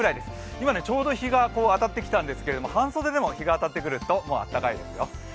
今、ちょうど日が当たってきたんですけど半袖でも日が当たってくるともう暖かいですよ。